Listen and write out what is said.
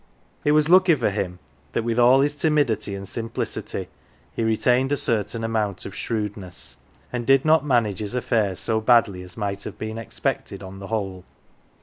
It was lucky for him that with all his timidity and simplicity he retained a certain amount of shrewdness, and did not manage his affairs so badly as might have been expected, on the whole.